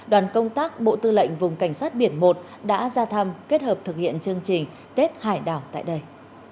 đoàn công tác bộ tư lệnh vùng cảnh sát biển một đã ra thăm kết hợp thực hiện chương trình tết hải đảo tại đây